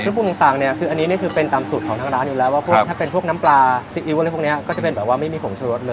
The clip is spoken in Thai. คือปรุงต่างเนี่ยคืออันนี้นี่คือเป็นตามสูตรของทางร้านอยู่แล้วว่าพวกถ้าเป็นพวกน้ำปลาซีอิ๊วอะไรพวกนี้ก็จะเป็นแบบว่าไม่มีผงชะรสเลย